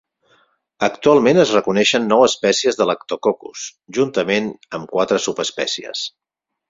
Actualment es reconeixen nou espècies de "Lactococcus" juntament amb quatre subespècies.